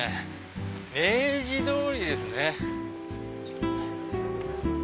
明治通りですね。